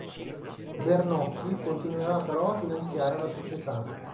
Bernocchi continuerà però a finanziare la società.